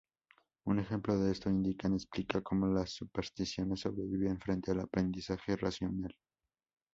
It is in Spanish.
Un ejemplo de esto, indican, explica cómo las supersticiones sobreviven frente al aprendizaje racional.